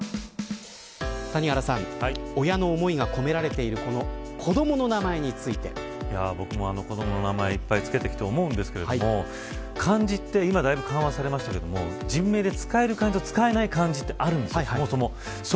谷原さん、親の思いが込められている僕も子どもの名前いっぱい付けてきて思うんですけど漢字って今だいぶ緩和されましたが人名で使える漢字と使えない漢字ってあるんです。